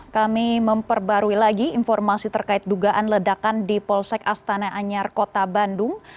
kami memperbarui lagi informasi terkait dugaan ledakan di polsek astana anyar kota bandung